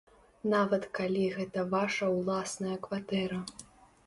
Нават калі гэта ваша ўласная кватэра.